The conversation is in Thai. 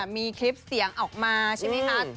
มีคลิปเสียงออกมาใช่ไหมคะ